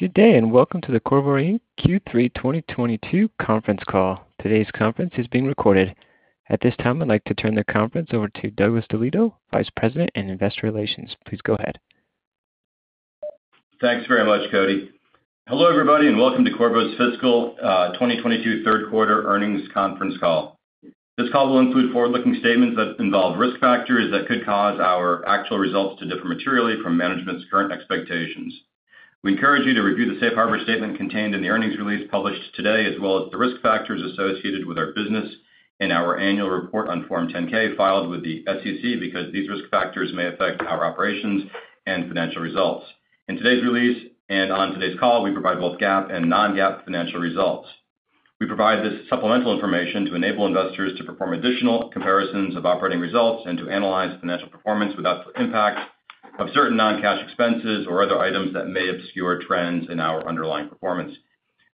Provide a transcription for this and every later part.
Good day, and welcome to the Qorvo, Inc. Q3 2022 conference call. Today's conference is being recorded. At this time, I'd like to turn the conference over to Douglas DeLieto, Vice President in Investor Relations. Please go ahead. Thanks very much, Cody. Hello, everybody, and welcome to Qorvo's fiscal 2022 Q3 earnings conference call. This call will include forward-looking statements that involve risk factors that could cause our actual results to differ materially from management's current expectations. We encourage you to review the safe harbor statement contained in the earnings release published today, as well as the risk factors associated with our business in our annual report on Form 10-K filed with the SEC, because these risk factors may affect our operations and financial results. In today's release and on today's call, we provide both GAAP and non-GAAP financial results. We provide this supplemental information to enable investors to perform additional comparisons of operating results and to analyze financial performance without the impact of certain non-cash expenses or other items that may obscure trends in our underlying performance.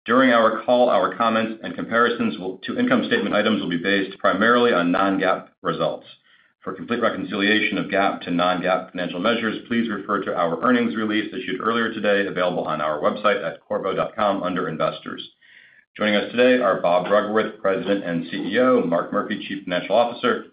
During our call, our comments and comparisons to income statement items will be based primarily on non-GAAP results. For complete reconciliation of GAAP to non-GAAP financial measures, please refer to our earnings release issued earlier today, available on our website at qorvo.com under Investors. Joining us today are Bob Bruggeworth, President and CEO, Mark Murphy, Chief Financial Officer,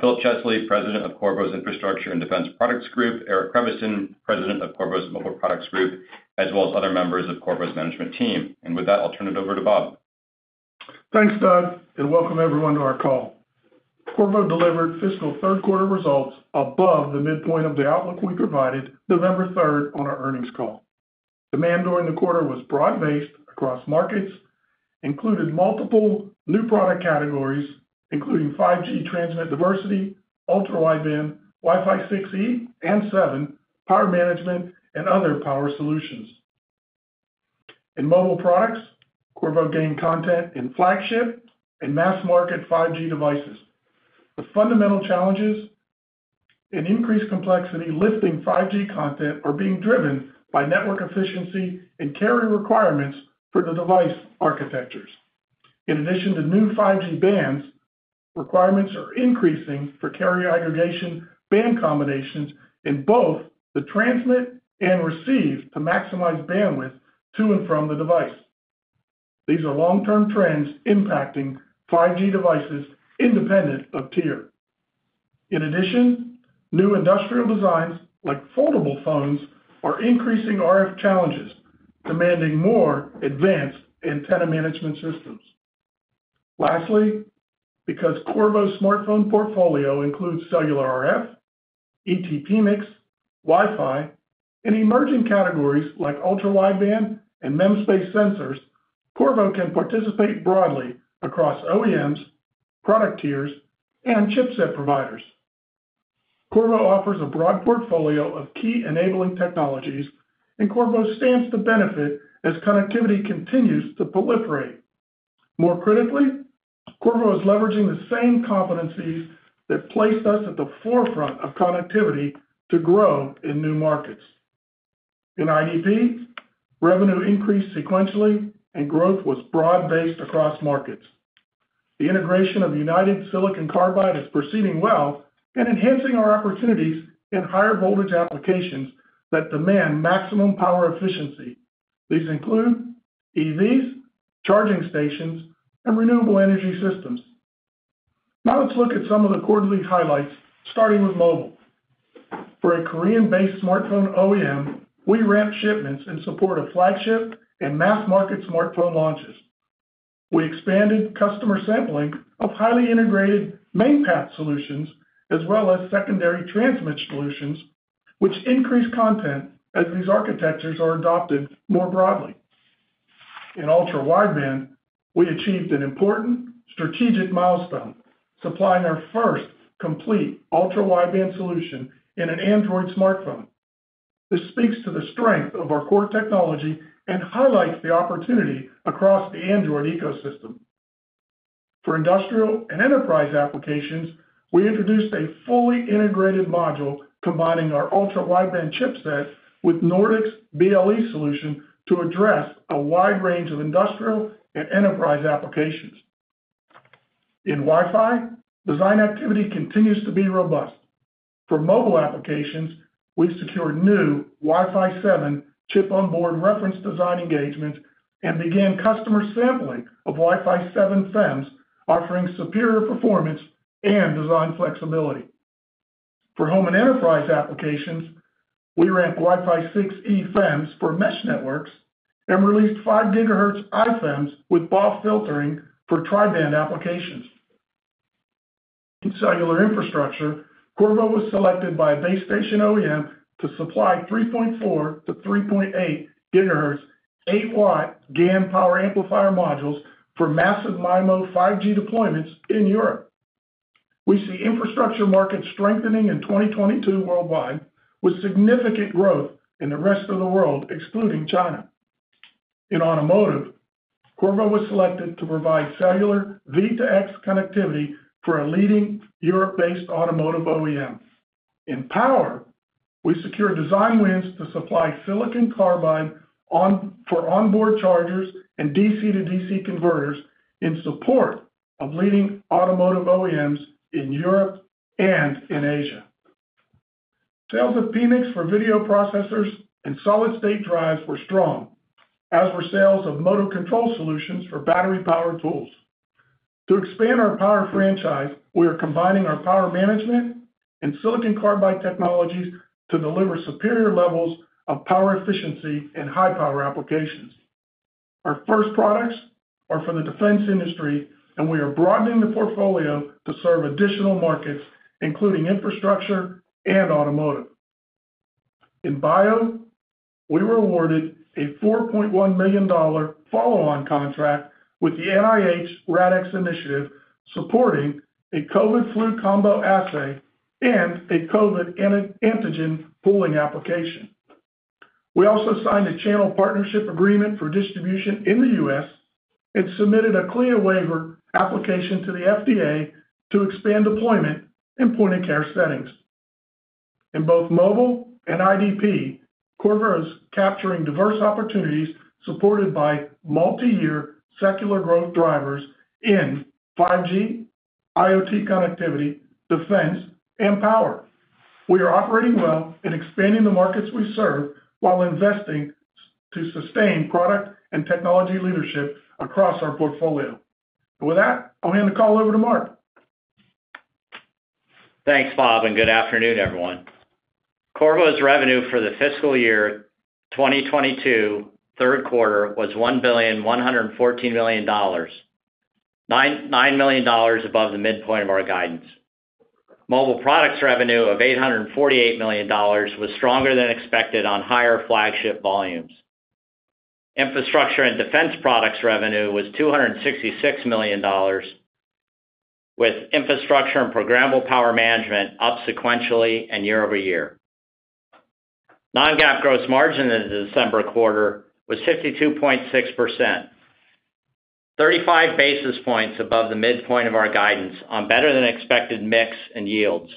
Philip Chesley, President of Qorvo's Infrastructure and Defense Products Group, Eric Creviston, President of Qorvo's Mobile Products Group, as well as other members of Qorvo's management team. With that, I'll turn it over to Bob. Thanks, Doug, and welcome everyone to our call. Qorvo delivered fiscal Q3 results above the midpoint of the outlook we provided November 3rd on our earnings call. Demand during the quarter was broad-based across markets and included multiple new product categories, including 5G transmit diversity, ultra-wideband, Wi-Fi 6E and 7E, power management, and other power solutions. In Mobile Products, Qorvo gained content in flagship and mass-market 5G devices. The fundamental challenges with increased complexity in 5G content are being driven by network efficiency and carrier requirements for the device architectures. In addition to new 5G bands, requirements are increasing for carrier aggregation band combinations in both the transmit and receive to maximize bandwidth to and from the device. These are long-term trends impacting 5G devices independent of tier. In addition, new industrial designs like foldable phones are increasing RF challenges, demanding more advanced antenna management systems. Lastly, because Qorvo's smartphone portfolio includes cellular RF, ET PMICs, Wi-Fi, and emerging categories like ultra-wideband and MEMS-based sensors, Qorvo can participate broadly across OEMs, product tiers, and chipset providers. Qorvo offers a broad portfolio of key enabling technologies, and Qorvo stands to benefit as connectivity continues to proliferate. More critically, Qorvo is leveraging the same competencies that placed us at the forefront of connectivity to grow in new markets. In IDP, revenue increased sequentially and growth was broad-based across markets. The integration of United Silicon Carbide is proceeding well and enhancing our opportunities in higher voltage applications that demand maximum power efficiency. These include EVs, charging stations, and renewable energy systems. Now let's look at some of the quarterly highlights, starting with mobile. For a Korean-based smartphone OEM, we ramped shipments in support of flagship and mass-market smartphone launches. We expanded customer sampling of highly integrated main path solutions as well as secondary transmit solutions, which increase content as these architectures are adopted more broadly. In ultra-wideband, we achieved an important strategic milestone, supplying our first complete ultra-wideband solution in an Android smartphone. This speaks to the strength of our core technology and highlights the opportunity across the Android ecosystem. For industrial and enterprise applications, we introduced a fully integrated module combining our ultra-wideband chipset with Nordic's BLE solution to address a wide range of industrial and enterprise applications. In Wi-Fi, design activity continues to be robust. For mobile applications, we've secured new Wi-Fi 7 chip on board reference design engagements and began customer sampling of Wi-Fi 7 FEMs, offering superior performance and design flexibility. For home and enterprise applications, we ramped Wi-Fi 6E FEMs for mesh networks and released 5 gigahertz IFEMs with BAW filtering for tri-band applications. In cellular infrastructure, Qorvo was selected by a base station OEM to supply 3.4-3.8 gigahertz, 8-watt GaN power amplifier modules for massive MIMO 5G deployments in Europe. We see infrastructure market strengthening in 2022 worldwide, with significant growth in the rest of the world, excluding China. In automotive, Qorvo was selected to provide cellular V2X connectivity for a leading Europe-based automotive OEM. In power, we secured design wins to supply silicon carbide for onboard chargers and DC-to-DC converters in support of leading automotive OEMs in Europe and in Asia. Sales of Phoenix for video processors and solid-state drives were strong, as were sales of motor control solutions for battery-powered tools. To expand our power franchise, we are combining our power management and silicon carbide technologies to deliver superior levels of power efficiency in high-power applications. Our first products are for the defense industry, and we are broadening the portfolio to serve additional markets, including infrastructure and automotive. In bio, we were awarded a $4.1 million follow-on contract with the NIH RADx initiative, supporting a COVID flu combo assay and a COVID antigen pooling application. We also signed a channel partnership agreement for distribution in the U.S. and submitted a CLIA waiver application to the FDA to expand deployment in point-of-care settings. In both mobile and IDP, Qorvo is capturing diverse opportunities supported by multiyear secular growth drivers in 5G, IoT connectivity, defense, and power. We are operating well and expanding the markets we serve while investing to sustain product and technology leadership across our portfolio. With that, I'll hand the call over to Mark. Thanks, Bob, and good afternoon, everyone. Qorvo's revenue for the fiscal year 2022 Q3 was $1.114 billion, $99 million above the midpoint of our guidance. Mobile Products revenue of $848 million was stronger than expected on higher flagship volumes. Infrastructure and Defense Products revenue was $266 million, with infrastructure and programmable power management up sequentially and year-over-year. Non-GAAP gross margin in the December quarter was 52.6%, 35 basis points above the midpoint of our guidance on better-than-expected mix and yields.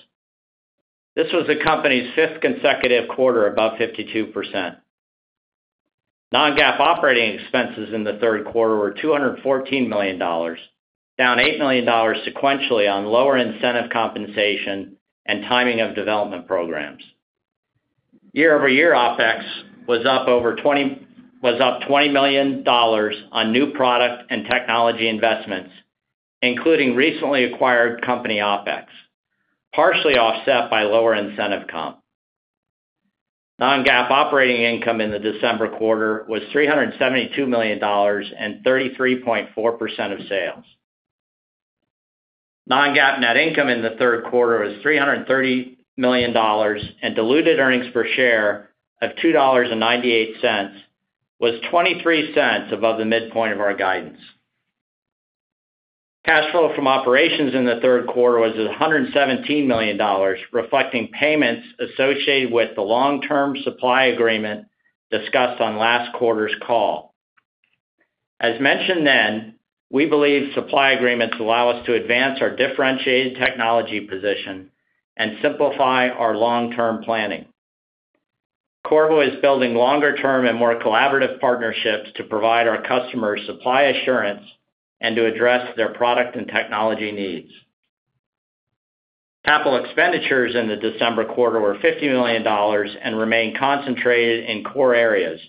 This was the company's fifth consecutive quarter above 52%. Non-GAAP operating expenses in the Q3 were $214 million, down $8 million sequentially on lower incentive compensation and timing of development programs. Year-over-year OpEx was up $20 million on new product and technology investments, including recently acquired company OpEx, partially offset by lower incentive comp. Non-GAAP operating income in the December quarter was $372 million and 33.4% of sales. Non-GAAP net income in the Q3 was $330 million, and diluted earnings per share of $2.98 was $0.23 above the midpoint of our guidance. Cash flow from operations in the Q3 was $117 million, reflecting payments associated with the long-term supply agreement discussed on last quarter's call. As mentioned then, we believe supply agreements allow us to advance our differentiated technology position and simplify our long-term planning. Qorvo is building longer-term and more collaborative partnerships to provide our customers supply assurance and to address their product and technology needs. Capital expenditures in the December quarter were $50 million and remain concentrated in core areas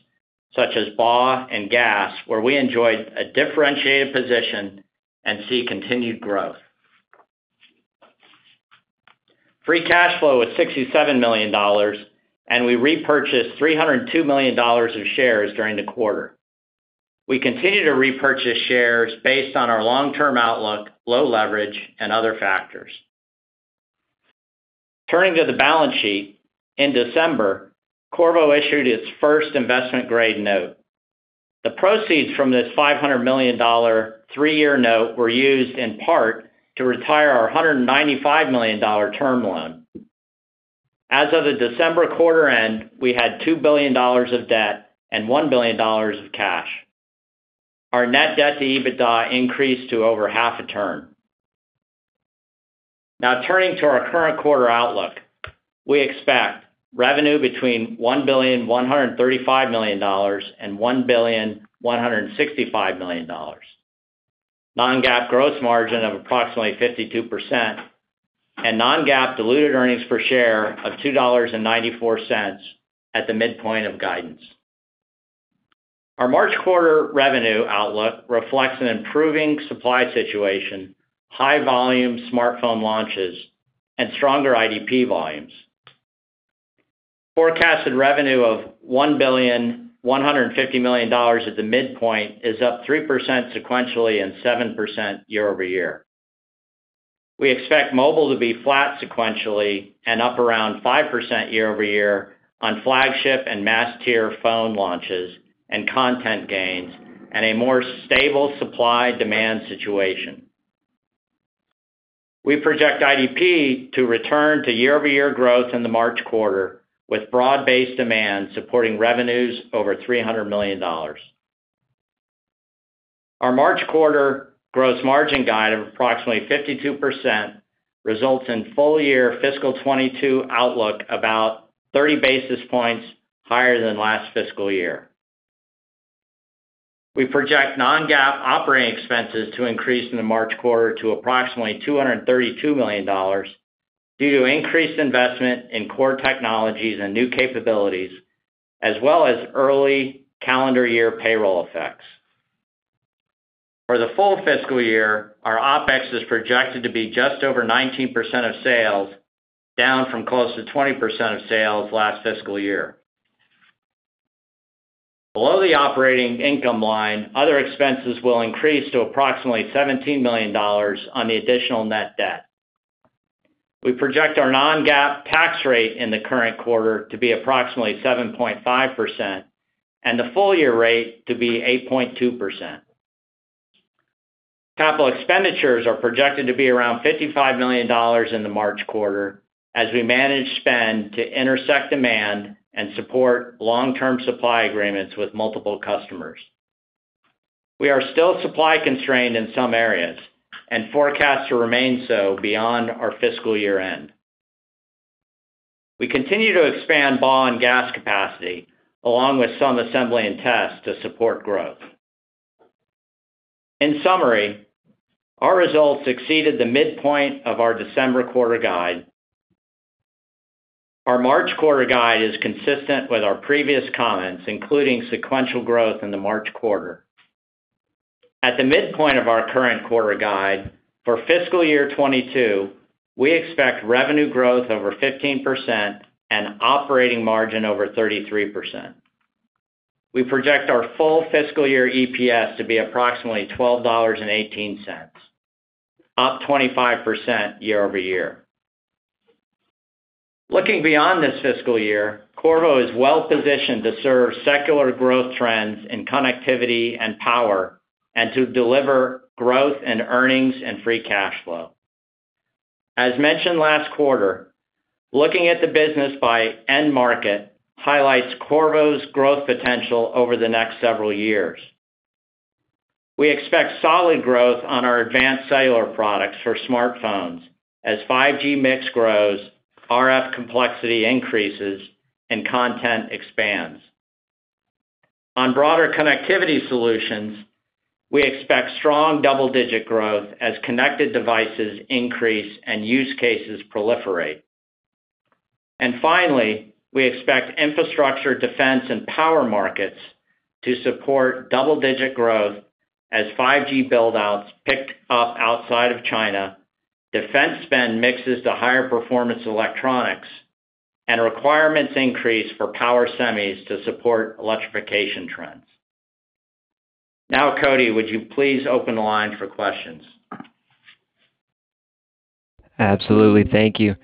such as BAW and GaAs, where we enjoy a differentiated position and see continued growth. Free cash flow was $67 million, and we repurchased $302 million of shares during the quarter. We continue to repurchase shares based on our long-term outlook, low leverage, and other factors. Turning to the balance sheet, in December, Qorvo issued its first investment-grade note. The proceeds from this $500 million three-year note were used in part to retire our $195 million term loan. As of the December quarter end, we had $2 billion of debt and $1 billion of cash. Our net debt to EBITDA increased to over half a turn. Now turning to our current quarter outlook, we expect revenue between $1.135 billion and $1.165 billion, non-GAAP gross margin of approximately 52%, and non-GAAP diluted earnings per share of $2.94 at the midpoint of guidance. Our March quarter revenue outlook reflects an improving supply situation, high-volume smartphone launches, and stronger IDP volumes. Forecasted revenue of $1.15 billion at the midpoint is up 3% sequentially and 7% year-over-year. We expect mobile to be flat sequentially and up around 5% year-over-year on flagship and mass-tier phone launches and content gains and a more stable supply-demand situation. We project IDP to return to year-over-year growth in the March quarter, with broad-based demand supporting revenues over $300 million. Our March quarter gross margin guide of approximately 52% results in full year FY 2022 outlook about 30 basis points higher than last fiscal year. We project non-GAAP operating expenses to increase in the March quarter to approximately $232 million due to increased investment in core technologies and new capabilities as well as early calendar year payroll effects. For the full fiscal year, our OpEx is projected to be just over 19% of sales, down from close to 20% of sales last fiscal year. Below the operating income line, other expenses will increase to approximately $17 million on the additional net debt. We project our non-GAAP tax rate in the current quarter to be approximately 7.5% and the full year rate to be 8.2%. Capital expenditures are projected to be around $55 million in the March quarter as we manage spend to intersect demand and support long-term supply agreements with multiple customers. We are still supply constrained in some areas and forecast to remain so beyond our fiscal year-end. We continue to expand bond gas capacity along with some assembly and test to support growth. In summary, our results exceeded the midpoint of our December quarter guide. Our March quarter guide is consistent with our previous comments, including sequential growth in the March quarter. At the midpoint of our current quarter guide, for fiscal year 2022, we expect revenue growth over 15% and operating margin over 33%. We project our full fiscal year EPS to be approximately $12.18, up 25% year-over-year. Looking beyond this fiscal year, Qorvo is well positioned to serve secular growth trends in connectivity and power, and to deliver growth and earnings and free cash flow. As mentioned last quarter, looking at the business by end market highlights Qorvo's growth potential over the next several years. We expect solid growth on our advanced cellular products for smartphones. As 5G mix grows, RF complexity increases and content expands. In our broader connectivity solutions, we expect strong double-digit growth as connected devices increase and use cases proliferate. Finally, we expect infrastructure, defense, and power markets to support double-digit growth as 5G build-outs pick up outside of China, defense spend mixes to higher performance electronics, and requirements increase for power semis to support electrification trends. Now, Cody, would you please open the line for questions? Absolutely. Thank you.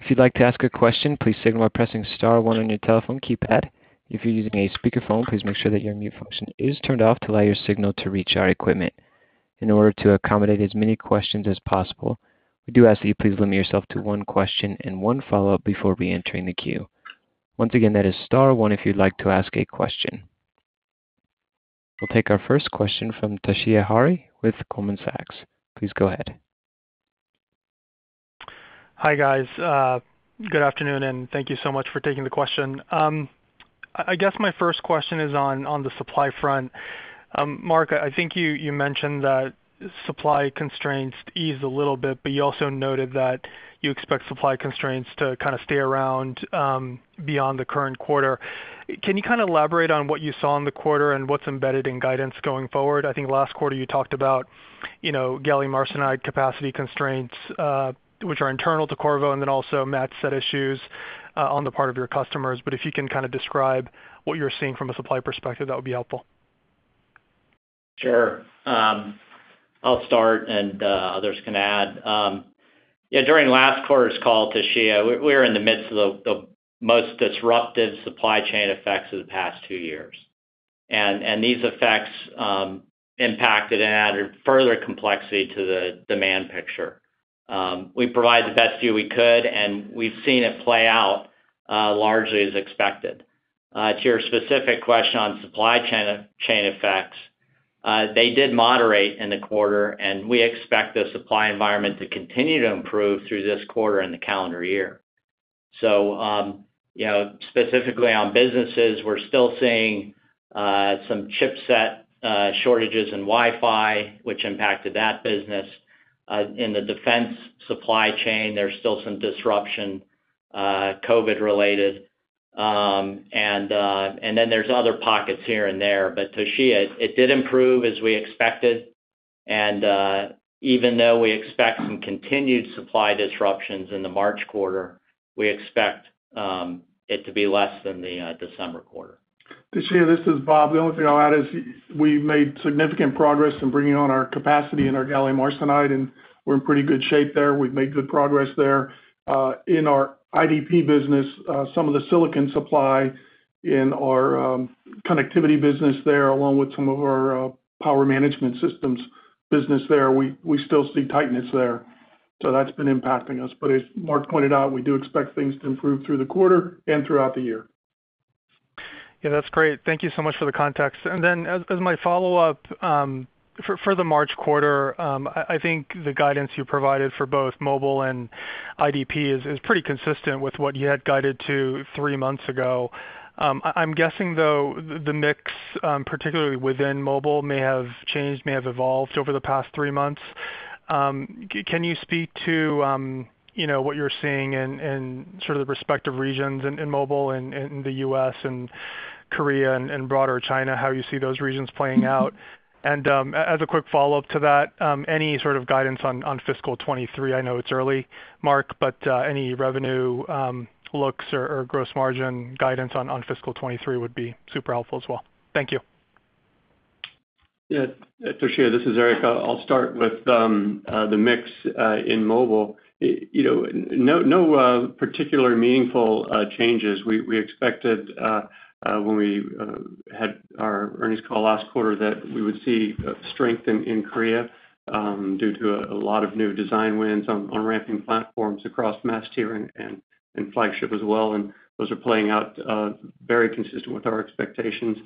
If you'd like to ask a question, please signal by pressing star one on your telephone keypad. If you're using a speakerphone, please make sure that your mute function is turned off to allow your signal to reach our equipment. In order to accommodate as many questions as possible, we do ask that you please limit yourself to one question and one follow-up before reentering the queue. Once again, that is star one if you'd like to ask a question. We'll take our first question from Toshiya Hari with Goldman Sachs. Please go ahead. Hi, guys. Good afternoon, and thank you so much for taking the question. I guess my first question is on the supply front. Mark, I think you mentioned that supply constraints eased a little bit, but you also noted that you expect supply constraints to kind of stay around beyond the current quarter. Can you kind of elaborate on what you saw in the quarter and what's embedded in guidance going forward? I think last quarter you talked about, you know, gallium arsenide capacity constraints, which are internal to Qorvo, and then also matched set issues on the part of your customers. If you can kind of describe what you're seeing from a supply perspective, that would be helpful. Sure. I'll start and others can add. Yeah, during last quarter's call, Toshiya, we were in the midst of the most disruptive supply chain effects of the past two years. These effects impacted and added further complexity to the demand picture. We provide the best view we could, and we've seen it play out largely as expected. To your specific question on supply chain effects, they did moderate in the quarter, and we expect the supply environment to continue to improve through this quarter and the calendar year. You know, specifically on businesses, we're still seeing some chipset shortages in Wi-Fi, which impacted that business. In the defense supply chain, there's still some disruption, COVID related. Then there's other pockets here and there. Toshiya, it did improve as we expected, and even though we expect some continued supply disruptions in the March quarter, we expect it to be less than the December quarter. Toshiya, this is Bob. The only thing I'll add is we've made significant progress in bringing on our capacity in our gallium arsenide, and we're in pretty good shape there. We've made good progress there. In our IDP business, some of the silicon supply in our connectivity business there, along with some of our power management systems business there, we still see tightness there. That's been impacting us. As Mark pointed out, we do expect things to improve through the quarter and throughout the year. Yeah. That's great. Thank you so much for the context. As my follow-up, for the March quarter, I think the guidance you provided for both mobile and IDP is pretty consistent with what you had guided to three months ago. I'm guessing, though, the mix, particularly within mobile may have changed, may have evolved over the past three months. Can you speak to, you know, what you're seeing in sort of the respective regions in mobile and in the U.S. and Korea and broader China, how you see those regions playing out? As a quick follow-up to that, any sort of guidance on fiscal 2023? I know it's early, Mark, but any revenue outlook or gross margin guidance on fiscal 2023 would be super helpful as well. Thank you. Yeah, Toshiya, this is Eric. I'll start with the mix in Mobile. You know, no particular meaningful changes. We expected when we had our earnings call last quarter that we would see strength in Korea due to a lot of new design wins on ramping platforms across mass tier and flagship as well. Those are playing out very consistent with our expectations.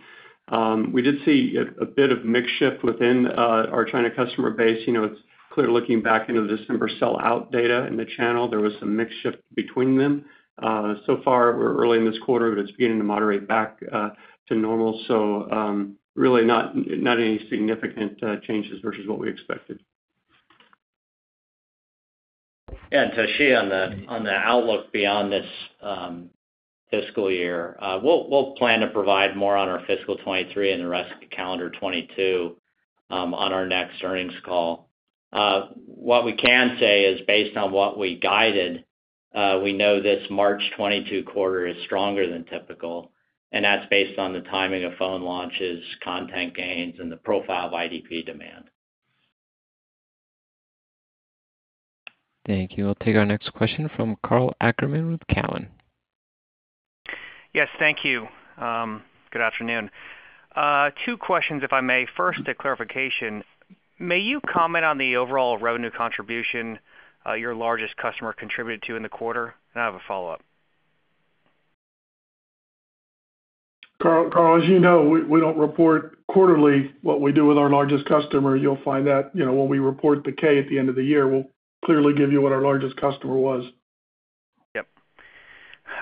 We did see a bit of mix shift within our China customer base. You know, it's clear looking back into December sellout data in the channel, there was some mix shift between them. So far, we're early in this quarter, but it's beginning to moderate back to normal. Really not any significant changes versus what we expected. Yeah, Toshiya, on the outlook beyond this fiscal year, we'll plan to provide more on our fiscal 2023 and the rest of calendar 2022, on our next earnings call. What we can say is based on what we guided, we know this March 2022 quarter is stronger than typical, and that's based on the timing of phone launches, content gains, and the profile of IDP demand. Thank you. We'll take our next question from Karl Ackerman with Cowen. Yes, thank you. Good afternoon. Two questions, if I may. First, a clarification. May you comment on the overall revenue contribution, your largest customer contributed to in the quarter? I have a follow-up. Karl, as you know, we don't report quarterly what we do with our largest customer. You'll find that, you know, when we report the K at the end of the year, we'll clearly give you what our largest customer was.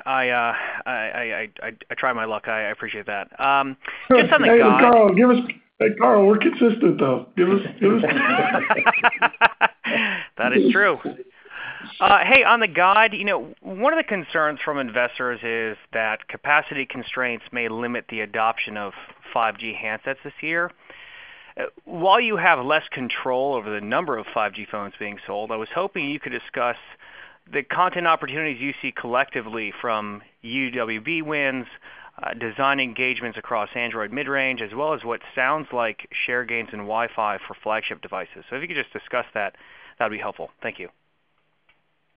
Yep. I try my luck. I appreciate that. Just on the guide- Hey, Karl, we're consistent, though. Give us That is true. Hey, on the guide, you know, one of the concerns from investors is that capacity constraints may limit the adoption of 5G handsets this year. While you have less control over the number of 5G phones being sold, I was hoping you could discuss the content opportunities you see collectively from UWB wins, design engagements across Android mid-range, as well as what sounds like share gains in Wi-Fi for flagship devices. If you could just discuss that'd be helpful. Thank you.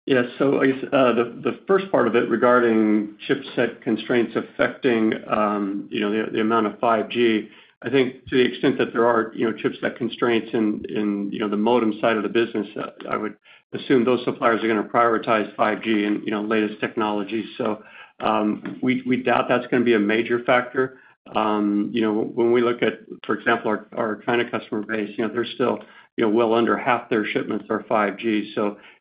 Yeah. I guess the first part of it regarding chipset constraints affecting, you know, the amount of 5G. I think to the extent that there are, you know, chipset constraints in, you know, the modem side of the business, I would assume those suppliers are gonna prioritize 5G and, you know, latest technologies. We doubt that's gonna be a major factor. You know, when we look at, for example, our China customer base, you know, they're still, you know, well under half their shipments are 5G.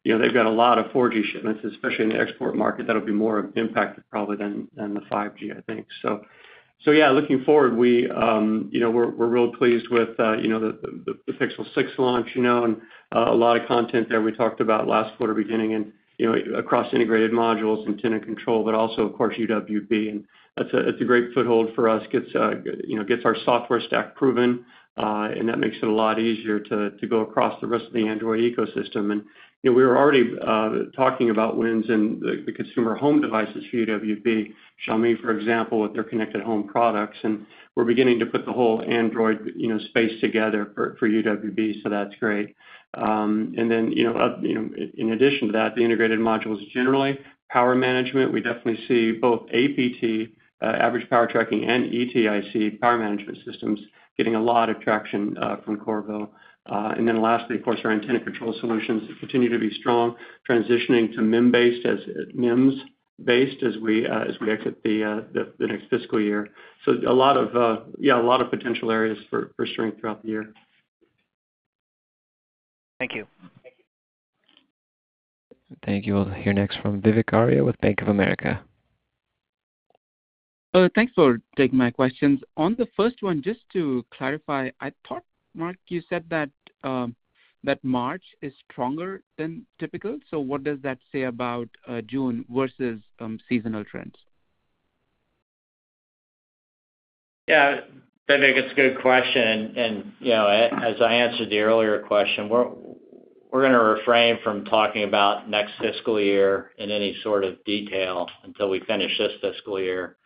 You know, they've got a lot of 4G shipments, especially in the export market that'll be more impacted probably than the 5G, I think. Yeah, looking forward, we're real pleased with the Pixel 6 launch, you know, and a lot of content there we talked about last quarter beginning and, you know, across integrated modules and antenna control, but also of course UWB. That's a great foothold for us. Gets our software stack proven, and that makes it a lot easier to go across the rest of the Android ecosystem. You know, we were already talking about wins in the consumer home devices for UWB, Xiaomi, for example, with their connected home products. We're beginning to put the whole Android space together for UWB, so that's great. You know, in addition to that, the integrated modules generally, power management, we definitely see both APT, Average Power Tracking and ETIC power management systems getting a lot of traction from Qorvo. Lastly, of course, our antenna control solutions continue to be strong, transitioning to MEMS-based as we exit the next fiscal year. A lot of potential areas for strength throughout the year. Thank you. Thank you. We'll hear next from Vivek Arya with Bank of America. Thanks for taking my questions. onsemi, the first one, just to clarify, I thought, Mark, you said that March is stronger than typical. What does that say about June versus seasonal trends? Yeah, Vivek, it's a good question. You know, as I answered the earlier question, we're gonna refrain from talking about next fiscal year in any sort of detail until we finish this fiscal year.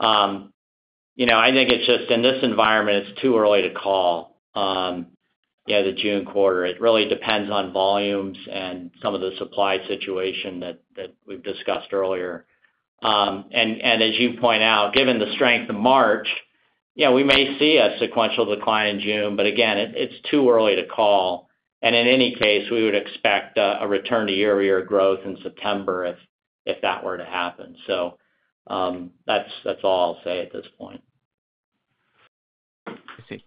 You know, I think it's just in this environment, it's too early to call, yeah, the June quarter. It really depends on volumes and some of the supply situation that we've discussed earlier. As you point out, given the strength of March, you know, we may see a sequential decline in June, but again, it's too early to call. In any case, we would expect a return to year-over-year growth in September if that were to happen. That's all I'll say at this point. I see.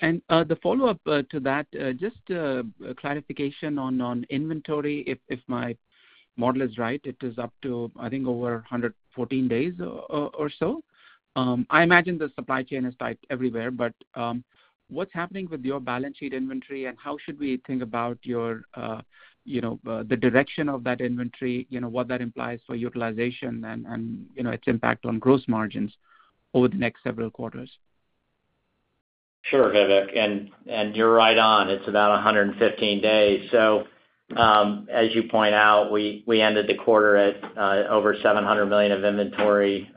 The follow-up to that is just a clarification on inventory. If my model is right, it is up to, I think, over 114 days or so. I imagine the supply chain is tight everywhere, but what's happening with your balance sheet inventory, and how should we think about your, you know, the direction of that inventory, you know, what that implies for utilization and, you know, its impact on gross margins over the next several quarters? Sure, Vivek, you're right on. It's about 115 days. As you point out, we ended the quarter at over $700 million of inventory.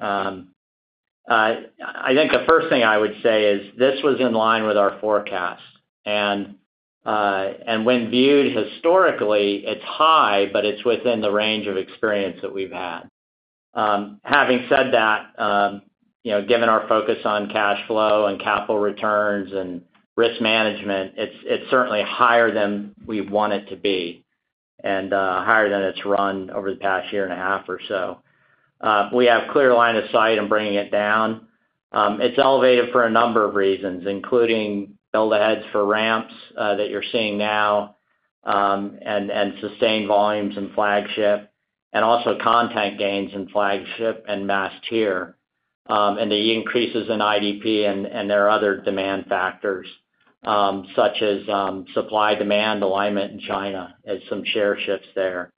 I think the first thing I would say is this was in line with our forecast. When viewed historically, it's high, but it's within the range of experience that we've had. Having said that, you know, given our focus on cash flow and capital returns and risk management, it's certainly higher than we want it to be and higher than it's run over the past year and a half or so. We have clear line of sight in bringing it down. It's elevated for a number of reasons, including build aheads for ramps that you're seeing now, and sustained volumes in Flagship and also content gains in Flagship and Mass Tier. The increases in IDP and there are other demand factors, such as supply-demand alignment in China as some share shifts there.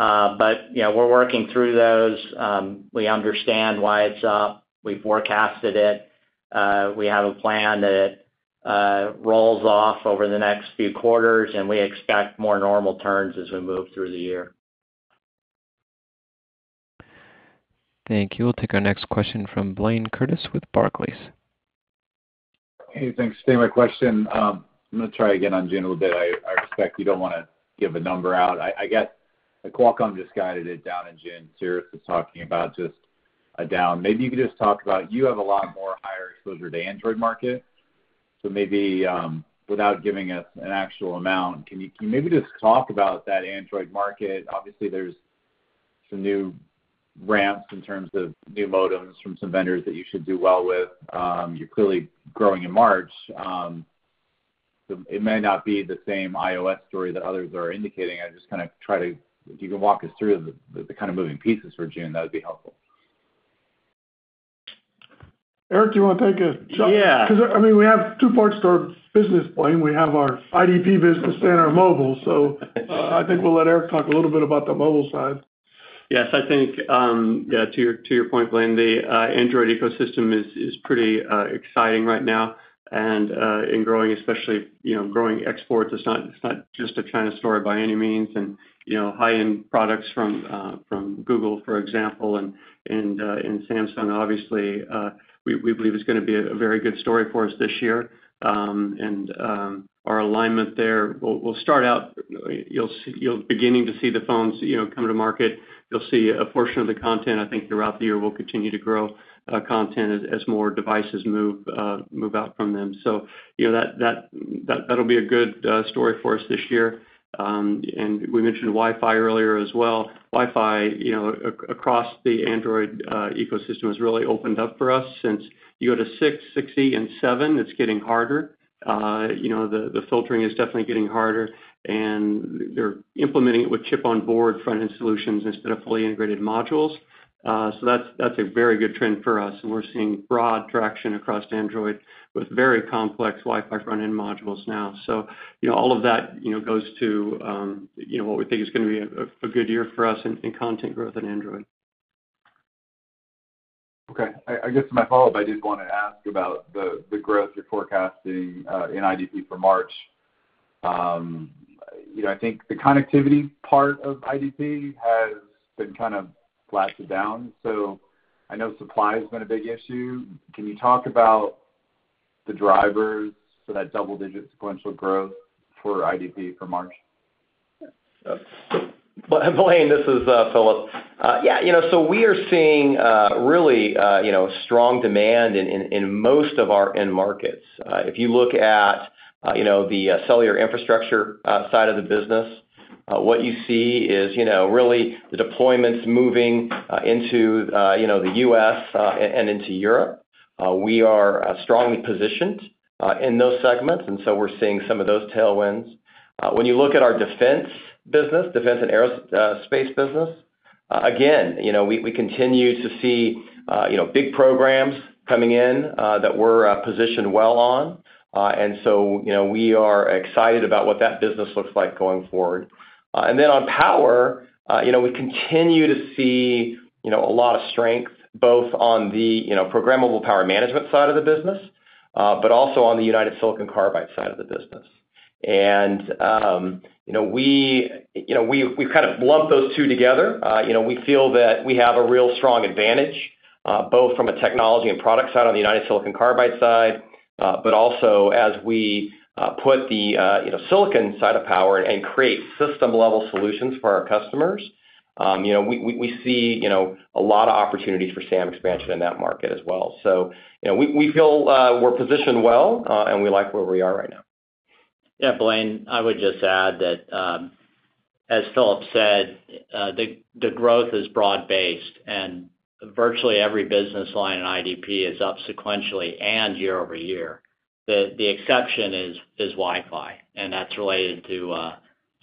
But, you know, we're working through those. We understand why it's up. We forecasted it. We have a plan that rolls off over the next few quarters, and we expect more normal turns as we move through the year. Thank you. We'll take our next question from Blayne Curtis with Barclays. Hey, thanks. Same question. I'm gonna try again on June a little bit. I expect you don't wanna give a number out. I guess Qualcomm just guided it down in June. Cirrus is talking about just a down. Maybe you could just talk about you have a lot more higher exposure to Android market. So maybe, without giving us an actual amount, can you maybe just talk about that Android market? Obviously, there's some new ramps in terms of new modems from some vendors that you should do well with. You're clearly growing in March. So it may not be the same iOS story that others are indicating. If you can walk us through the kind of moving pieces for June, that would be helpful. Eric, do you wanna take a shot? Yeah. 'Cause, I mean, we have two parts to our business, Blayne. We have our IDP business and our mobile. I think we'll let Eric talk a little bit about the mobile side. Yes. I think, yeah, to your point, Blayne, the Android ecosystem is pretty exciting right now and growing especially, you know, growing exports. It's not just a China story by any means and, you know, high-end products from Google, for example, and Samsung, obviously, we believe is gonna be a very good story for us this year. Our alignment there, we'll start out, you're beginning to see the phones, you know, come to market. You'll see a portion of the content, I think, throughout the year will continue to grow content as more devices move out from them. You know, that'll be a good story for us this year. We mentioned Wi-Fi earlier as well. Wi-Fi, you know, across the Android ecosystem has really opened up for us since you go to 6E, 6E, and 7E. It's getting harder. You know, the filtering is definitely getting harder, and they're implementing it with Chip on Board front-end solutions instead of fully integrated modules. That's a very good trend for us, and we're seeing broad traction across Android with very complex Wi-Fi front-end modules now. All of that goes to what we think is gonna be a good year for us in content growth in Android. Okay. I guess my follow-up. I did wanna ask about the growth you're forecasting in IDP for March. You know, I think the connectivity part of IDP has been kind of flattened down, so I know supply has been a big issue. Can you talk about the drivers for that double-digit sequential growth for IDP for March? Blayne, this is Philip. Yeah, you know, we are seeing really you know, strong demand in most of our end markets. If you look at you know, the cellular infrastructure side of the business, what you see is you know, really the deployments moving into you know, the U.S. and into Europe. We are strongly positioned in those segments, and so we're seeing some of those tailwinds. When you look at our defense and aerospace business, again, you know, we continue to see you know, big programs coming in that we're positioned well on. You know, we are excited about what that business looks like going forward. on power, you know, we continue to see, you know, a lot of strength both on the, you know, programmable power management side of the business, but also on the United Silicon Carbide side of the business. You know, we've kind of lumped those two together. You know, we feel that we have a real strong advantage, both from a technology and product side on the United Silicon Carbide side, but also as we put the, you know, silicon side of power and create system-level solutions for our customers, you know, we see, you know, a lot of opportunities for SAM expansion in that market as well. You know, we feel we're positioned well, and we like where we are right now. Yeah, Blayne, I would just add that, as Philip said, the growth is broad-based, and virtually every business line in IDP is up sequentially and year-over-year. The exception is Wi-Fi, and that's related to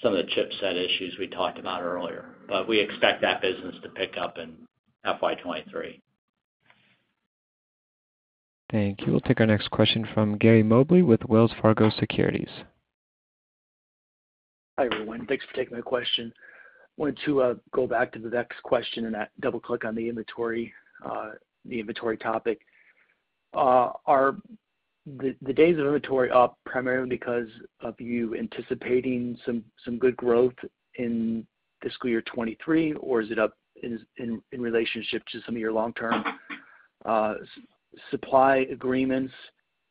some of the chipset issues we talked about earlier. We expect that business to pick up in FY 2023. Thank you. We'll take our next question from Gary Mobley with Wells Fargo Securities. Hi, everyone. Thanks for taking my question. Wanted to go back to the next question and double-click on the inventory topic. Are the days of inventory up primarily because of you anticipating some good growth in fiscal year 2023, or is it up in relationship to some of your long-term supply agreements?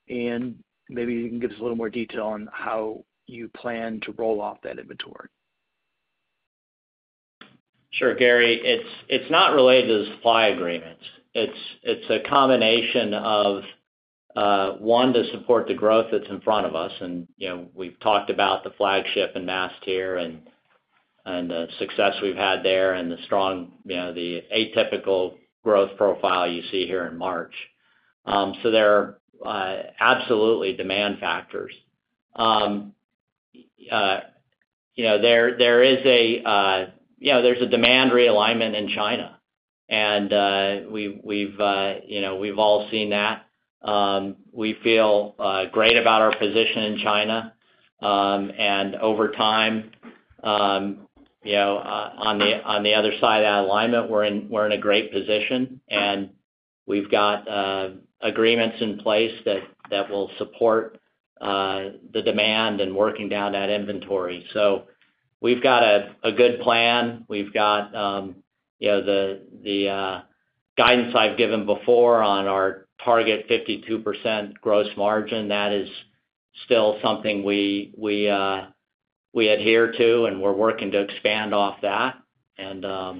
Maybe you can give us a little more detail on how you plan to roll off that inventory. Sure, Gary. It's not related to the supply agreements. It's a combination of one to support the growth that's in front of us. You know, we've talked about the flagship and mass tier and the success we've had there and the strong, you know, the atypical growth profile you see here in March. So there are absolutely demand factors. You know, there is a demand realignment in China and we've all seen that. We feel great about our position in China. Over time, you know, on the other side of that alignment, we're in a great position, and we've got agreements in place that will support the demand and working down that inventory. We've got a good plan. We've got you know the guidance I've given before on our target 52% gross margin. That is still something we adhere to, and we're working to expand off that. Yeah,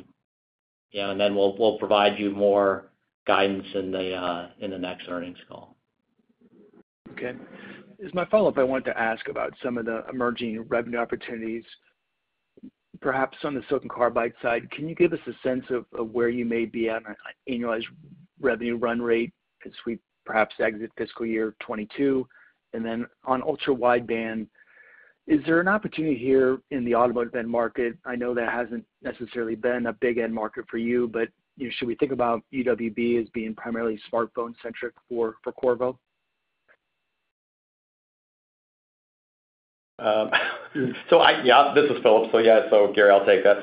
and then we'll provide you more guidance in the next earnings call. Okay. As my follow-up, I wanted to ask about some of the emerging revenue opportunities, perhaps on the silicon carbide side. Can you give us a sense of where you may be on an annualized revenue run rate as we perhaps exit fiscal year 2022? And then on ultra-wideband, is there an opportunity here in the automotive end market? I know that hasn't necessarily been a big end market for you, but you know, should we think about UWB as being primarily smartphone centric for Qorvo? Yeah, this is Philip. Yeah, so Gary, I'll take that.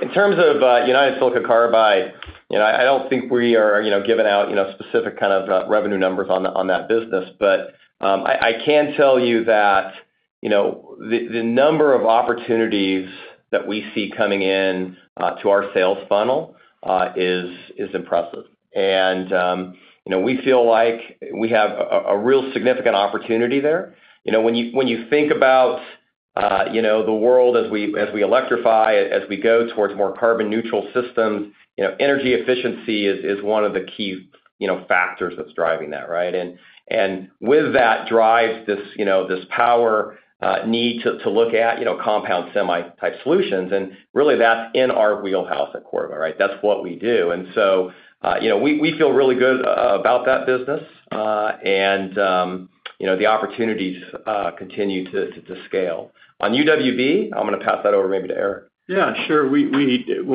In terms of United Silicon Carbide, you know, I don't think we are giving out specific kind of revenue numbers on that business. But I can tell you that the number of opportunities that we see coming in to our sales funnel is impressive. You know, we feel like we have a real significant opportunity there. You know, when you think about the world as we electrify, as we go towards more carbon neutral systems, you know, energy efficiency is one of the key factors that's driving that, right? With that drives this, you know, this power need to look at, you know, compound semi-type solutions, and really that's in our wheelhouse at Qorvo, right? That's what we do. You know, we feel really good about that business. You know, the opportunities continue to scale. onsemi UWB, I'm gonna pass that over maybe to Eric. Yeah, sure. When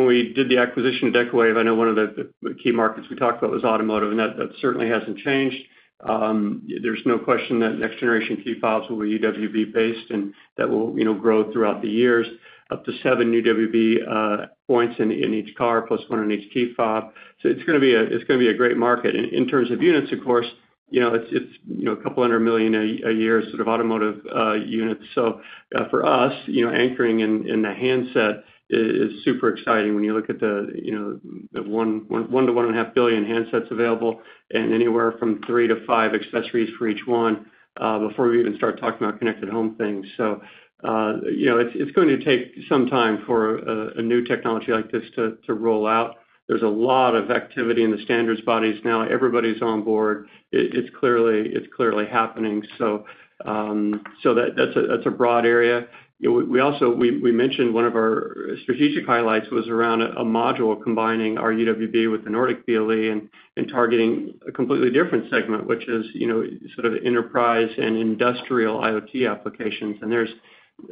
we did the acquisition of Decawave, I know one of the key markets we talked about was automotive, and that certainly hasn't changed. There's no question that next generation key fobs will be UWB based, and that will, you know, grow throughout the years up to seven UWB points in each car, plus one in each key fob. It's gonna be a great market. In terms of units, of course, you know, it's a couple hundred million a year sort of automotive units. For us, you know, anchoring in the handset is super exciting when you look at the, you know, the 1 to 1.5 billion handsets available and anywhere from three to five accessories for each one, before we even start talking about connected home things. You know, it's going to take some time for a new technology like this to roll out. There's a lot of activity in the standards bodies now. Everybody's on board. It's clearly happening. That's a broad area. We also mentioned one of our strategic highlights was around a module combining our UWB with the Nordic BLE and targeting a completely different segment, which is, you know, sort of enterprise and industrial IoT applications. There's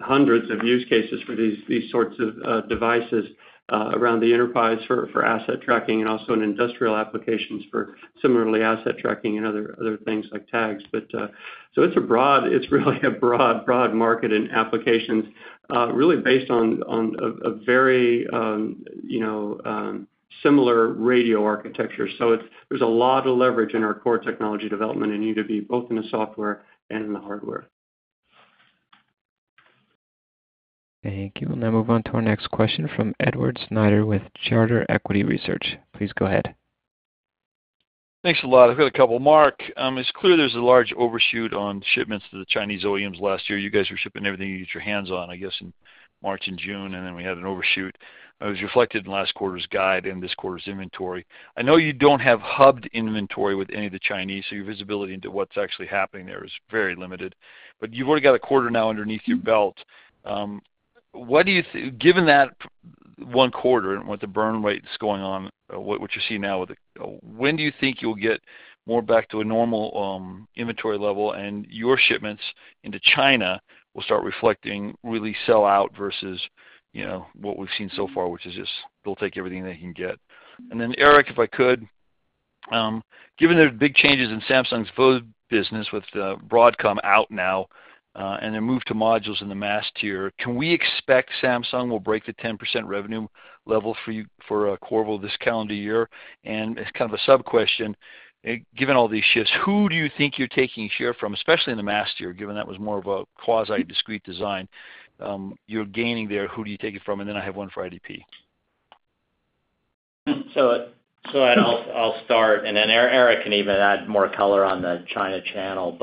hundreds of use cases for these sorts of devices around the enterprise for asset tracking and also in industrial applications for similarly asset tracking and other things like tags. It's really a broad market in applications, really based on a very, you know, similar radio architecture. There's a lot of leverage in our core technology development in UWB, both in the software and in the hardware. Thank you. We'll now move on to our next question from Edward Snyder with Charter Equity Research. Please go ahead. Thanks a lot. I've got a couple. Mark, it's clear there's a large overshoot on shipments to the Chinese OEMs last year. You guys were shipping everything you could get your hands on, I guess, in March and June, and then we had an overshoot. It was reflected in last quarter's guide and this quarter's inventory. I know you don't have hubbed inventory with any of the Chinese, so your visibility into what's actually happening there is very limited. You've already got a quarter now underneath your belt. Given that one quarter and with the burn rates going on, what you see now with the When do you think you'll get more back to a normal inventory level and your shipments into China will start reflecting really sell out versus, you know, what we've seen so far, which is just they'll take everything they can get? Then, Eric, if I could, given the big changes in Samsung's phone business with Broadcom out now, and their move to modules in the mass tier, can we expect Samsung will break the 10% revenue level for you, for Qorvo this calendar year? As kind of a sub-question, given all these shifts, who do you think you're taking share from, especially in the mass tier, given that was more of a quasi-discrete design, you're gaining there, who do you take it from? I have one for IDP. I'll start, and then Eric can even add more color on the China channel.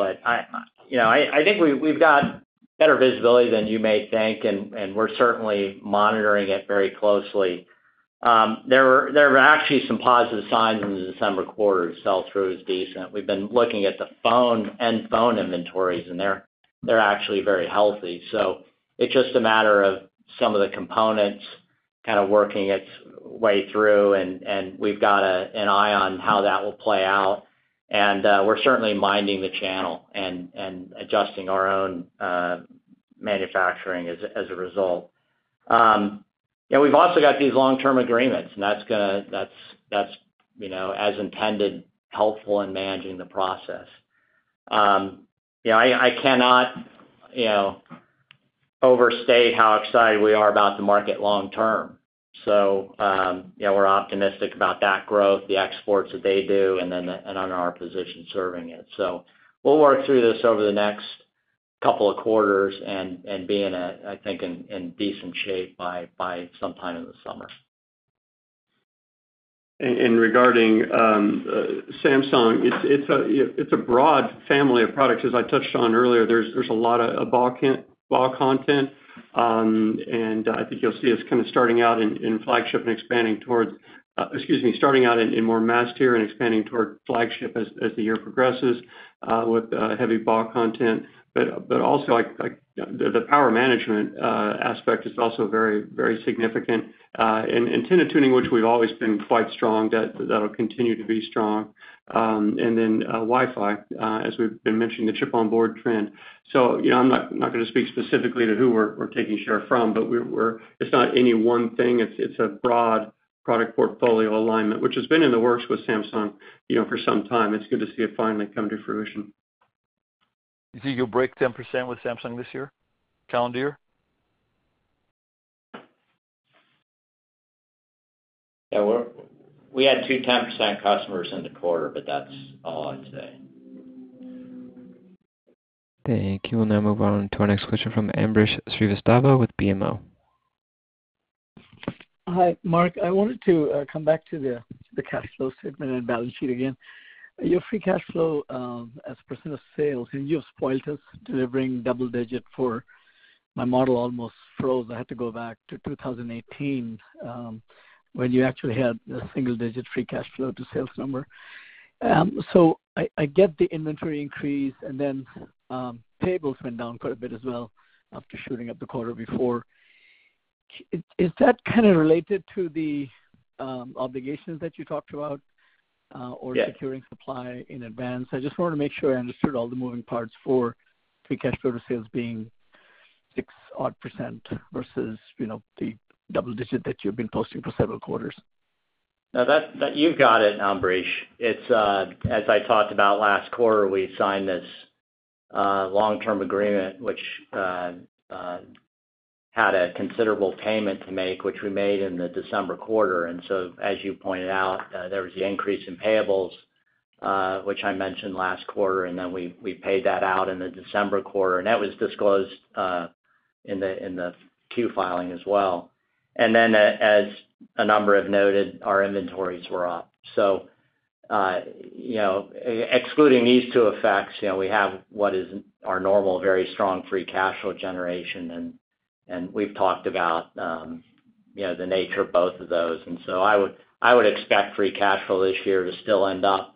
I think we've got better visibility than you may think, and we're certainly monitoring it very closely. There were actually some positive signs in the December quarter. Sell-through is decent. We've been looking at the channel-end phone inventories, and they're actually very healthy. It's just a matter of some of the components kind of working its way through, and we've got an eye on how that will play out. We're certainly minding the channel and adjusting our own manufacturing as a result. Yeah, we've also got these long-term agreements, and that's, you know, as intended, helpful in managing the process. Yeah, I cannot, you know, overstate how excited we are about the market long term. Yeah, we're optimistic about that growth, the exports that they do, and then and on our position serving it. We'll work through this over the next couple of quarters and be in a, I think, in decent shape by sometime in the summer. Regarding Samsung, it's a broad family of products. As I touched on earlier, there's a lot of BAW content. I think you'll see us kind of starting out in more mass tier and expanding toward flagship as the year progresses, with heavy BAW content. But also like, the power management aspect is also very significant. And antenna tuning, which we've always been quite strong, that'll continue to be strong. And then, Wi-Fi, as we've been mentioning, the chip on board trend. So, you know, I'm not gonna speak specifically to who we're taking share from, but we're. It's not any one thing. It's a broad product portfolio alignment, which has been in the works with Samsung, you know, for some time. It's good to see it finally come to fruition. Do you think you'll break 10% with Samsung this year, calendar year? Yeah. We had 2 10% customers in the quarter, but that's all I'd say. Thank you. We'll now move on to our next question from Ambrish Srivastava with BMO. Hi, Mark. I wanted to come back to the cash flow statement and balance sheet again. Your free cash flow as a percent of sales, and you have spoiled us delivering double-digit. My model almost froze. I had to go back to 2018, when you actually had a single-digit free cash flow to sales number. I get the inventory increase and then payables went down quite a bit as well after shooting up the quarter before. Is that kind of related to the obligations that you talked about. Yes securing supply in advance? I just wanna make sure I understood all the moving parts for free cash flow to sales being 6% odd versus, you know, the double-digit that you've been posting for several quarters. No, that. You've got it, Ambrish. It's as I talked about last quarter, we signed this long-term agreement which had a considerable payment to make, which we made in the December quarter. As you pointed out, there was the increase in payables, which I mentioned last quarter, and then we paid that out in the December quarter. That was disclosed in the 10-Q filing as well. As a number I've noted, our inventories were up. Excluding these two effects, you know, we have what is our normal very strong free cash flow generation. We've talked about, you know, the nature of both of those. I would expect free cash flow this year to still end up,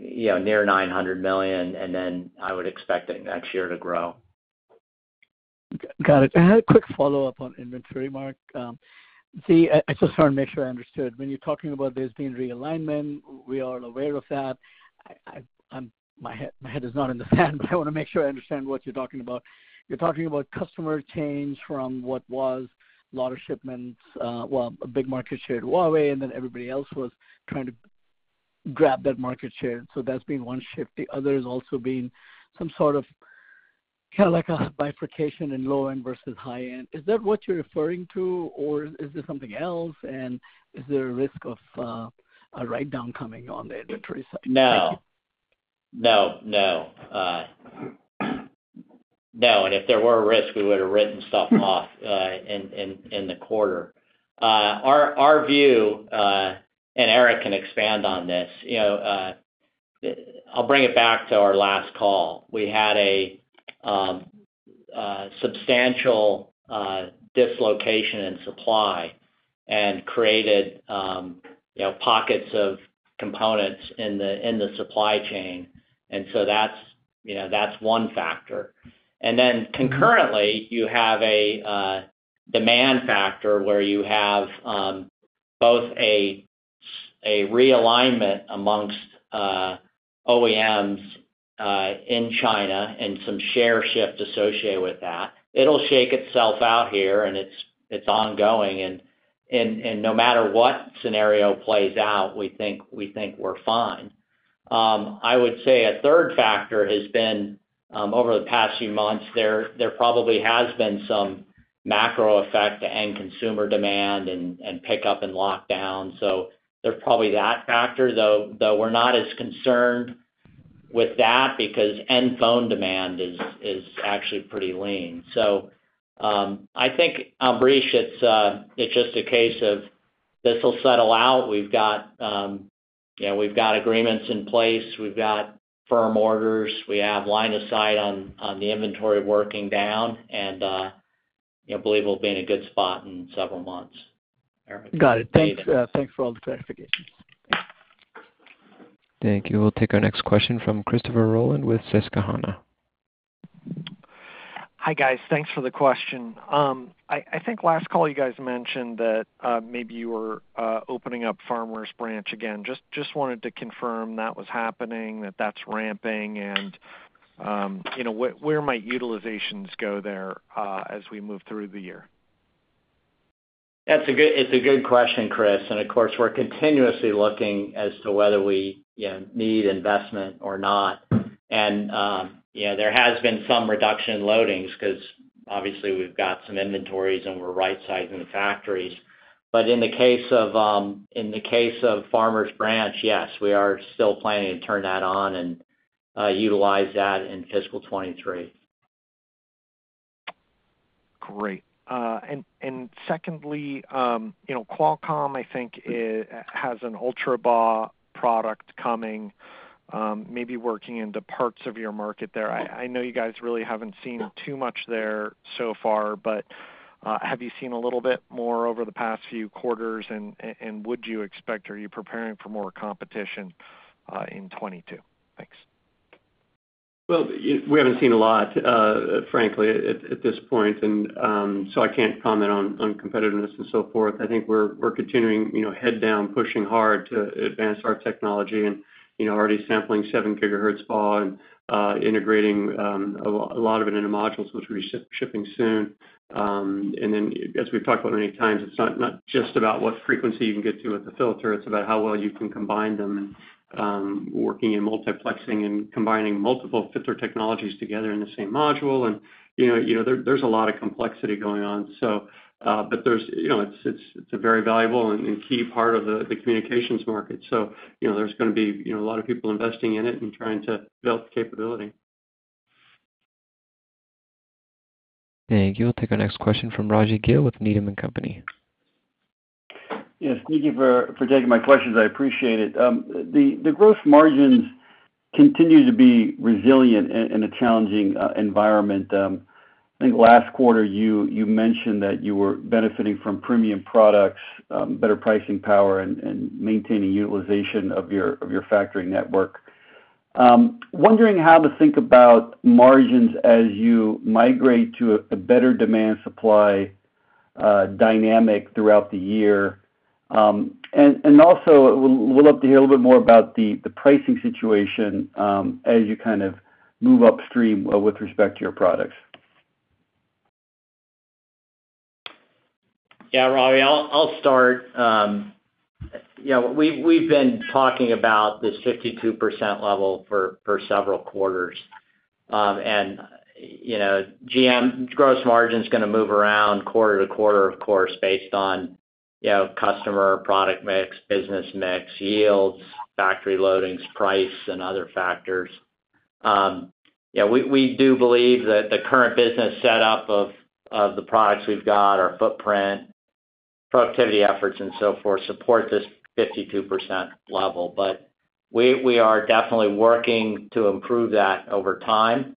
you know, near $900 million, and then I would expect it next year to grow. Got it. I had a quick follow-up on inventory, Mark. I just want to make sure I understood. When you're talking about there's been realignment, we are all aware of that. My head is not in the sand, but I wanna make sure I understand what you're talking about. You're talking about customer change from what was a lot of shipments, well, a big market share at Huawei, and then everybody else was trying to grab that market share. So that's been one shift. The other has also been some sort of, kind of like a bifurcation in low-end versus high-end. Is that what you're referring to, or is this something else? And is there a risk of a write-down coming on the inventory side? Thank you. No. No, no. No, and if there were a risk, we would've written stuff off in the quarter. Our view, and Eric can expand on this, you know. I'll bring it back to our last call. We had a substantial dislocation in supply and created, you know, pockets of components in the supply chain. That's, you know, that's one factor. Then concurrently, you have a demand factor where you have both a realignment amongst OEMs in China and some share shift associated with that. It'll shake itself out here, and it's ongoing. No matter what scenario plays out, we think we're fine. I would say a third factor has been, over the past few months there probably has been some macro effect to end consumer demand and pick up in lockdown. There's probably that factor, though we're not as concerned with that because end phone demand is actually pretty lean. I think, Ambrish, it's just a case of this will settle out. We've got, you know, we've got agreements in place. We've got firm orders. We have line of sight on the inventory working down, and, you know, believe we'll be in a good spot in several months. Got it. Thanks for all the clarifications. Thank you. We'll take our next question from Christopher Rolland with Susquehanna. Hi, guys. Thanks for the question. I think last call you guys mentioned that maybe you were opening up Farmers Branch again. Just wanted to confirm that was happening, that that's ramping and you know, where might utilizations go there as we move through the year? That's a good question, Chris. Of course, we're continuously looking as to whether we, you know, need investment or not. You know, there has been some reduction in loadings 'cause obviously we've got some inventories, and we're rightsizing the factories. In the case of Farmers Branch, yes, we are still planning to turn that on and utilize that in fiscal 2023. Great. Secondly, you know, Qualcomm, I think, has an ultraBAW product coming, maybe working into parts of your market there. I know you guys really haven't seen too much there so far, but have you seen a little bit more over the past few quarters, and would you expect, are you preparing for more competition in 2022? Thanks. Well, we haven't seen a lot, frankly at this point. I can't comment on competitiveness and so forth. I think we're continuing, you know, head down, pushing hard to advance our technology and, you know, already sampling 7 GHz BAW and integrating a lot of it into modules which we're shipping soon. As we've talked about many times, it's not just about what frequency you can get to with the filter, it's about how well you can combine them and working and multiplexing and combining multiple filter technologies together in the same module. You know, there's a lot of complexity going on. It's a very valuable and key part of the communications market. You know, there's gonna be, you know, a lot of people investing in it and trying to develop the capability. Thank you. We'll take our next question from Rajvindra Gill with Needham & Company. Yes, thank you for taking my questions. I appreciate it. The growth margins continue to be resilient in a challenging environment. I think last quarter you mentioned that you were benefiting from premium products, better pricing power and maintaining utilization of your factory network. I'm wondering how to think about margins as you migrate to a better demand-supply dynamic throughout the year. And also, I would love to hear a little bit more about the pricing situation as you kind of move upstream with respect to your products. Yeah, Rajvindra Gill, I'll start. You know, we've been talking about this 52% level for several quarters. You know, GM, gross margin's gonna move around quarter to quarter, of course, based on, you know, customer product mix, business mix, yields, factory loadings, price, and other factors. Yeah, we do believe that the current business set up of the products we've got, our footprint, productivity efforts, and so forth, support this 52% level. We are definitely working to improve that over time.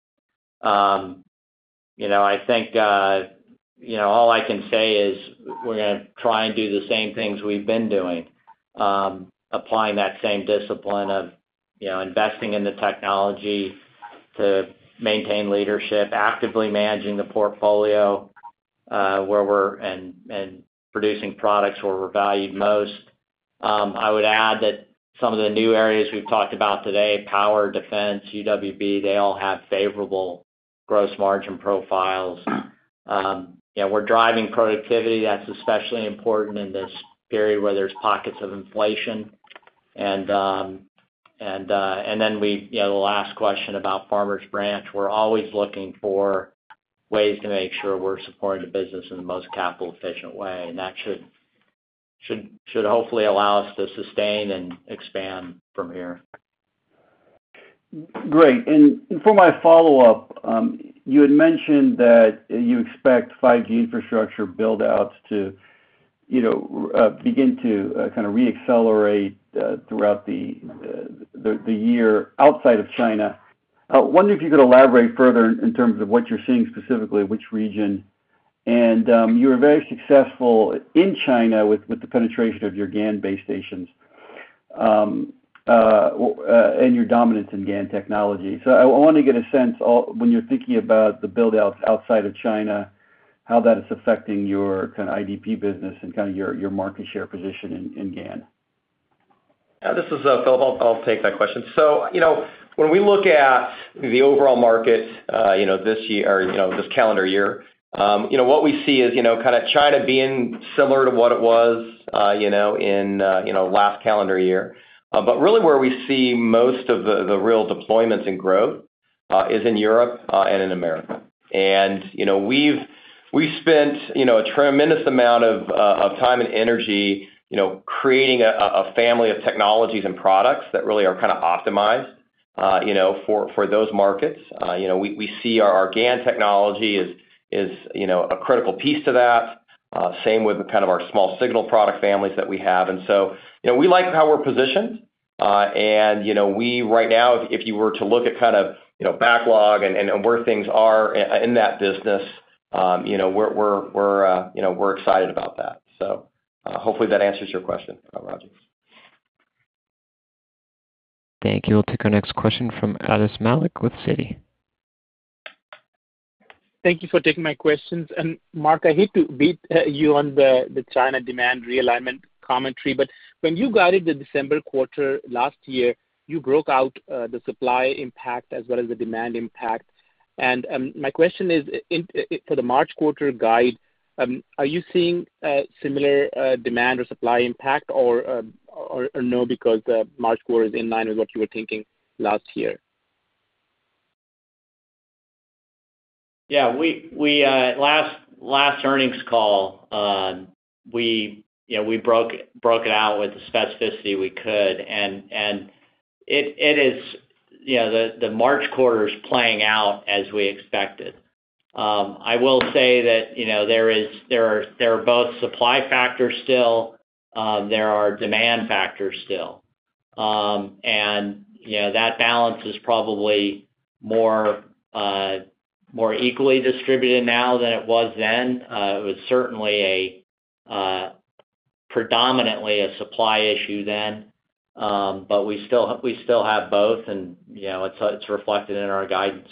You know, I think, you know, all I can say is we're gonna try and do the same things we've been doing, applying that same discipline of, you know, investing in the technology to maintain leadership, actively managing the portfolio, and producing products where we're valued most. I would add that some of the new areas we've talked about today, power, defense, UWB, they all have favorable gross margin profiles. Yeah, we're driving productivity. That's especially important in this period where there's pockets of inflation. We, you know, the last question about Farmers Branch, we're always looking for ways to make sure we're supporting the business in the most capital efficient way. That should hopefully allow us to sustain and expand from here. Great. For my follow-up, you had mentioned that you expect 5G infrastructure build-outs to, you know, begin to kind of re-accelerate throughout the year outside of China. I wonder if you could elaborate further in terms of what you're seeing specifically, which region. You were very successful in China with the penetration of your GaN base stations and your dominance in GaN technology. I want to get a sense when you're thinking about the build-outs outside of China, how that is affecting your kind of IDP business and kind of your market share position in GaN. Yeah, this is Philip. I'll take that question. You know, when we look at the overall market, you know, this year or, you know, this calendar year, you know, what we see is, you know, kind of China being similar to what it was, you know, in, you know, last calendar year. But really where we see most of the real deployments and growth is in Europe and in America. You know, we've spent, you know, a tremendous amount of time and energy, you know, creating a family of technologies and products that really are kind of optimized, you know, for those markets. You know, we see our GaN technology is, you know, a critical piece to that. Same with kind of our small signal product families that we have. You know, we like how we're positioned. You know, right now, if you were to look at kind of, you know, backlog and where things are in that business, you know, we're excited about that. Hopefully that answers your question, Rajvindra. Thank you. We'll take our next question from Harsh Kumar with Citi. Thank you for taking my questions. Mark, I hate to beat you on the China demand realignment commentary, but when you guided the December quarter last year, you broke out the supply impact as well as the demand impact. My question is for the March quarter guide, are you seeing similar demand or supply impact or no, because the March quarter is in line with what you were thinking last year? Yeah, on our last earnings call, you know, we broke it out with the specificity we could. It is, you know, the March quarter is playing out as we expected. I will say that, you know, there are both supply factors still, there are demand factors still. You know, that balance is probably more equally distributed now than it was then. It was certainly a predominantly supply issue then. We still have both and, you know, it's reflected in our guidance.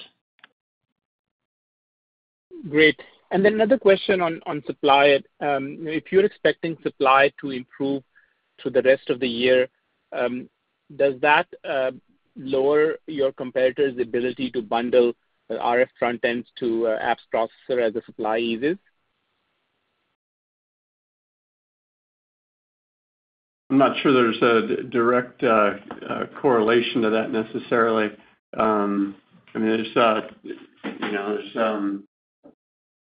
Great. Another question on supply. If you're expecting supply to improve through the rest of the year, does that lower your competitors' ability to bundle RF frontends to apps processor as the supply eases? I'm not sure there's a direct correlation to that necessarily. I mean, there's you know, there's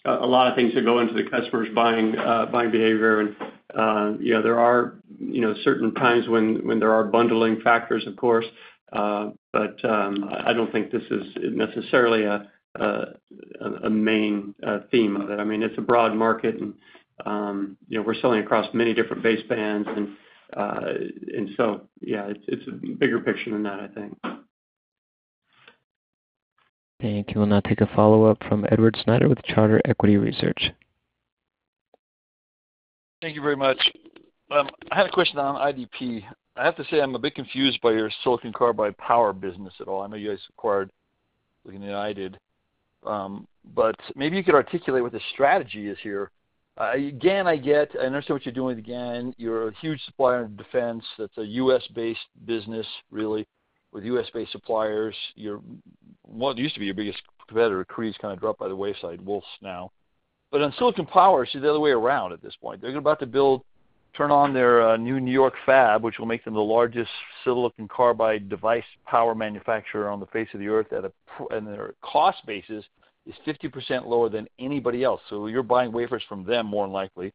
a lot of things that go into the customer's buying behavior. You know, there are you know, certain times when there are bundling factors, of course. I don't think this is necessarily a main theme of it. I mean, it's a broad market and you know, we're selling across many different basebands. Yeah, it's a bigger picture than that, I think. Thank you. We'll now take a follow-up from Edward Snyder with Charter Equity Research. Thank you very much. I had a question on IDP. I have to say I'm a bit confused by your silicon carbide power business at all. I know you guys acquired UnitedSiC. But maybe you could articulate what the strategy is here. Again, I get, I understand what you're doing with GaN. You're a huge supplier in defense. That's a U.S.-based business really with U.S.-based suppliers. Well, it used to be your biggest competitor, Cree, has kind of dropped by the wayside, Wolfspeed now. But on SiC power, SiC's the other way around at this point. They're about to build and turn on their new New York fab, which will make them the largest silicon carbide device power manufacturer on the face of the Earth and their cost basis is 50% lower than anybody else. You're buying wafers from them, more than likely,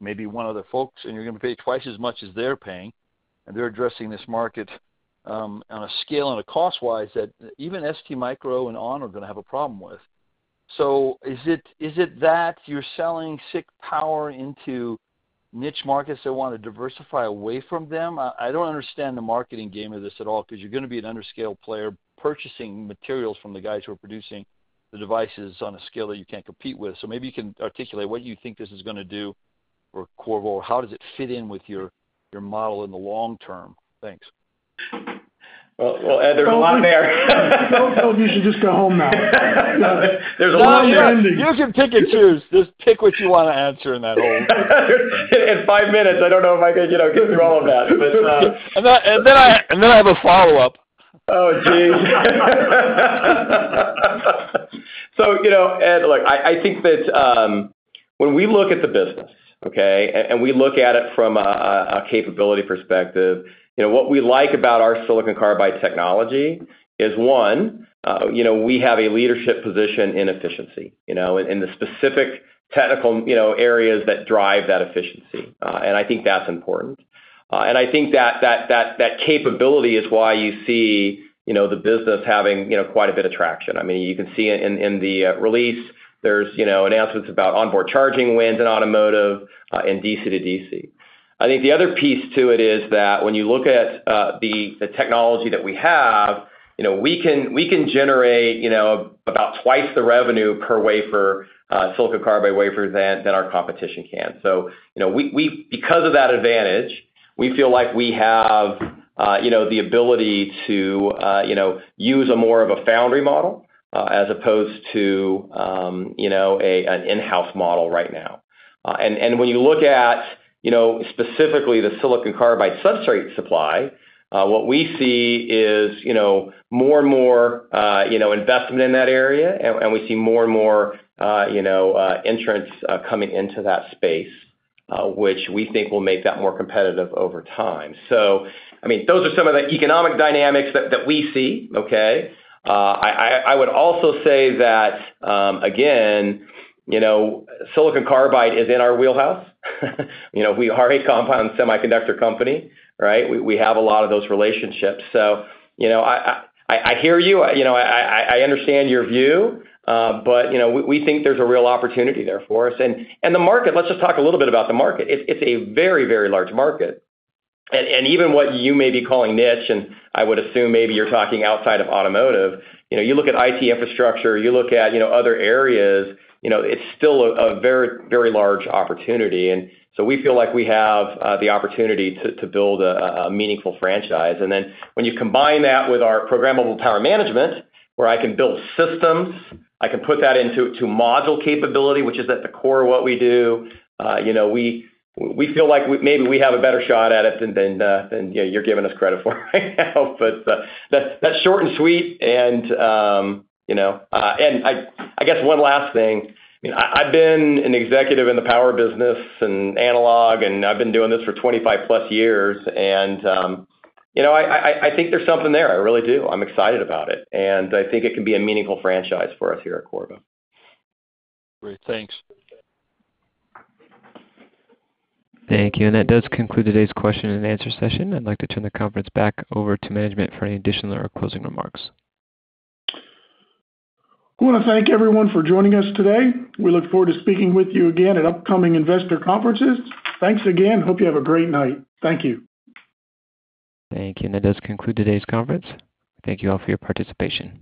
maybe one of the folks, and you're gonna pay twice as much as they're paying, and they're addressing this market, on a scale and a cost-wise that even STMicroelectronics and onsemi are gonna have a problem with. Is it that you're selling SiC power into niche markets that wanna diversify away from them? I don't understand the marketing game of this at all, 'cause you're gonna be an under-scale player purchasing materials from the guys who are producing the devices on a scale that you can't compete with. Maybe you can articulate what you think this is gonna do for Qorvo, or how does it fit in with your model in the long term? Thanks. Well, Ed, there's a lot there. They both told you to just go home now. There's a lot there. You can pick and choose. Just pick what you wanna answer in that whole. In five minutes, I don't know if I could, you know, get through all of that, but. I have a follow-up. Oh, geez. you know, Ed, look, I think that, when we look at the business, okay, and we look at it from a capability perspective, you know, what we like about our silicon carbide technology is, one- You know, we have a leadership position in efficiency, you know, in the specific technical, you know, areas that drive that efficiency. I think that's important. I think that capability is why you see, you know, the business having, you know, quite a bit of traction. I mean, you can see in the release there's, you know, announcements about onboard charging wins in automotive, and DC-to-DC. I think the other piece to it is that when you look at the technology that we have, you know, we can generate, you know, about twice the revenue per wafer, silicon carbide wafer than our competition can. Because of that advantage, we feel like we have, you know, the ability to, you know, use a more of a foundry model as opposed to, you know, an in-house model right now. When you look at, you know, specifically the silicon carbide substrate supply, what we see is, you know, more and more, you know, investment in that area and we see more and more, you know, entrants coming into that space, which we think will make that more competitive over time. I mean, those are some of the economic dynamics that we see, okay? I would also say that, again, you know, silicon carbide is in our wheelhouse. You know, we are a compound semiconductor company, right? We have a lot of those relationships. You know, I hear you. You know, I understand your view, but you know, we think there's a real opportunity there for us. The market, let's just talk a little bit about the market. It's a very large market. Even what you may be calling niche, and I would assume maybe you're talking outside of automotive, you know, you look at IT infrastructure, you look at, you know, other areas, you know, it's still a very large opportunity. We feel like we have the opportunity to build a meaningful franchise. Then when you combine that with our programmable power management, where I can build systems, I can put that into module capability, which is at the core of what we do, you know, we feel like we maybe have a better shot at it than you know, you're giving us credit for right now. That's short and sweet and, you know. I guess one last thing. You know, I've been an executive in the power business and analog, and I've been doing this for 25+ years and, you know, I think there's something there. I really do. I'm excited about it, and I think it can be a meaningful franchise for us here at Qorvo. Great. Thanks. Thank you. That does conclude today's question and answer session. I'd like to turn the conference back over to management for any additional or closing remarks. I wanna thank everyone for joining us today. We look forward to speaking with you again at upcoming investor conferences. Thanks again. Hope you have a great night. Thank you. Thank you. That does conclude today's conference. Thank you all for your participation.